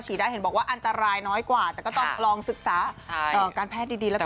ได้เห็นบอกว่าอันตรายน้อยกว่าแต่ก็ต้องลองศึกษาการแพทย์ดีแล้วกัน